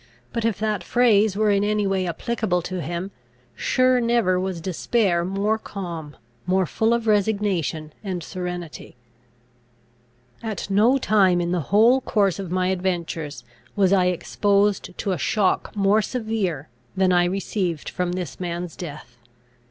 But, if that phrase were in any way applicable to him, sure never was despair more calm, more full of resignation and serenity. At no time in the whole course of my adventures was I exposed to a shock more severe, than I received from this man's death.